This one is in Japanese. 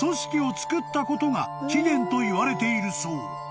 つくったことが起源といわれているそう］